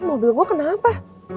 ini mobil gue kenapa